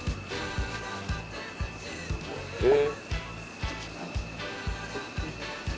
えっ。